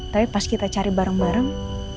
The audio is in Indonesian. tapi pas kita cari bareng bareng